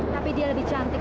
tapi dia lebih cantik